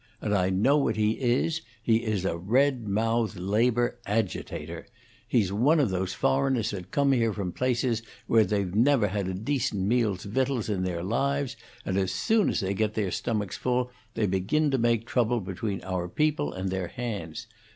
And I know what he is. He is a red mouthed labor agitator. He's one of those foreigners that come here from places where they've never had a decent meal's victuals in their lives, and as soon as they get their stomachs full, they begin to make trouble between our people and their hands.